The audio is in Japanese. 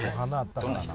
どんな人？